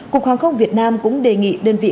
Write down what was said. cục hàng không việt nam cũng đề nghị đơn vị